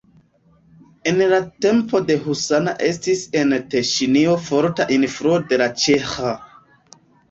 En la tempo de husana estis en Teŝinio forta influo de la ĉeĥa.